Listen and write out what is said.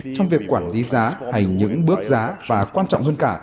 trong việc quản lý giá hay những bước giá và quan trọng hơn cả